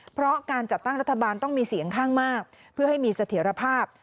เพราะการจัดตั้งรัฐบาลต้องมีเสียงข้างมากเพื่อให้มีเสถียรภาพ